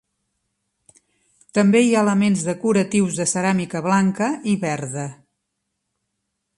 També hi ha elements decoratius de ceràmica blanca i verda.